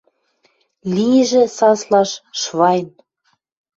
Лижӹ саслаш: «Швайн